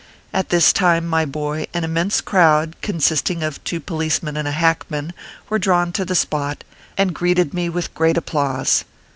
At this time, my boy, an immense crowd, consisting of two policemen and a hackman, were drawn to the spot, and greeted me with great applause.